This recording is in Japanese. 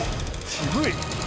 渋い。